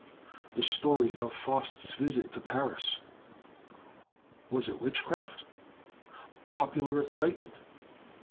The Story of Faust's Visit to Paris. Was it Witchcraft? Popular Excitement.